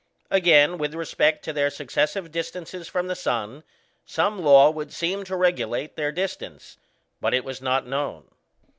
Again, with respect to their successive distances from the sun, some law would seem to regulate their distance, but it was not known.